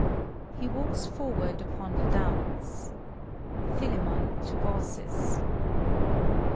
(He walks forward upon the downs,) PHILEMON (to Baucis).